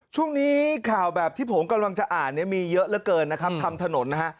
ช่วงนี้ข่าวแบบที่ผมกำลังจะอ่านมีเยอะเหลือเกินทำถนน